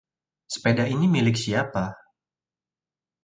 Sepeda ini milik siapa?